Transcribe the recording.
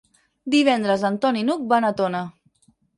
Divendres en Ton i n'Hug van a Tona.